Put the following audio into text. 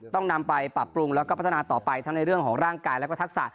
ต้องนำไปปรับปรุงแล้วก็พัฒนาต่อไปทั้งในเรื่องของร่างกายและก็ทักษะ